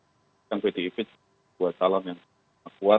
bukan bdip itu sebuah salam yang sangat kuat